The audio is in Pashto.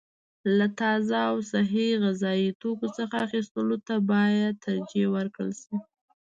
له تازه او صحي غذايي توکو څخه اخیستلو ته باید ترجیح ورکړل شي.